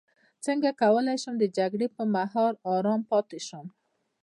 څنګه کولی شم د جګړې پر مهال ارام پاتې شم